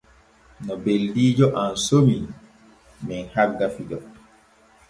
No beldiijo am somi men hagga fijo.